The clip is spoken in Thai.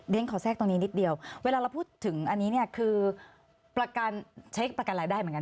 เรียงขอแทรกตรงนี้นิดเดียวเวลาเราพูดถึงอันนี้คือใช้ประกันรายได้เหมือนกันใช่ไหมครับ